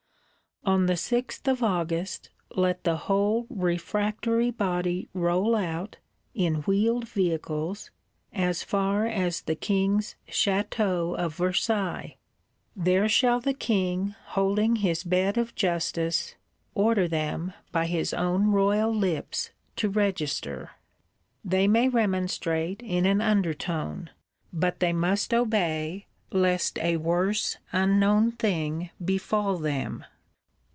On the 6th of August let the whole refractory Body roll out, in wheeled vehicles, as far as the King's Château of Versailles; there shall the King, holding his Bed of Justice, order them, by his own royal lips, to register. They may remonstrate, in an under tone; but they must obey, lest a worse unknown thing befall them.